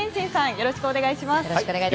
よろしくお願いします。